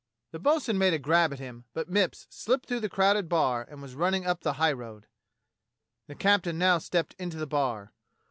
The bo'sun made a grab at him, but Mipps slipped through the crowded bar and was running up the highroad. The captain now stepped into the bar.